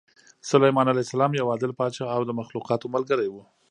سلیمان علیه السلام یو عادل پاچا او د مخلوقاتو ملګری و.